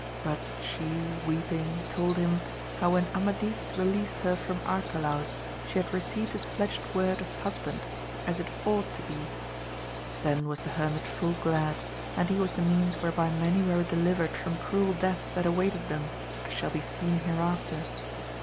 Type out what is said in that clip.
But she weeping told him how when Amadis released her from Arcalaus she had received his pledged word as husband, as it ought to 264 AMADIS OF GAUL. be ; then was the hermit full glad, and he was the means whereby many were delivered from cruel death that awaited them, as shall be seen hereafter.